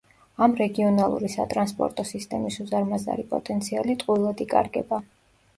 ამ რეგიონალური სატრანსპორტო სისტემის უზარმაზარი პოტენციალი ტყუილად იკარგება.